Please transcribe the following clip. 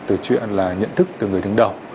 từ chuyện là nhận thức từ người đứng đầu